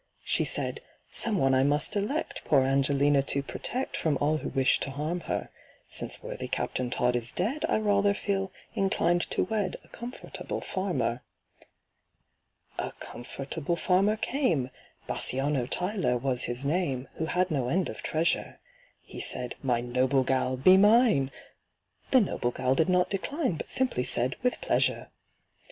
She said, "Some one I must elect Poor ANGELINA to protect From all who wish to harm her. Since worthy CAPTAIN TODD is dead, I rather feel inclined to wed A comfortable farmer." A comfortable farmer came (BASSANIO TYLER was his name), Who had no end of treasure. He said, "My noble gal, be mine!" The noble gal did not decline, But simply said, "With pleasure."